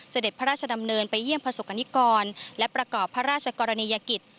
เสด็จพระราชดำเนินไปเยี่ยมประสบกรณิกรและประกอบพระราชกรณียกิจ